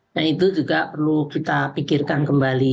nah itu juga perlu kita pikirkan kembali